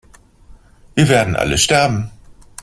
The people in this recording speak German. Wir werden alle sterben!